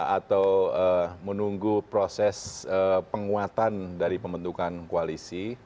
atau menunggu proses penguatan dari pembentukan koalisi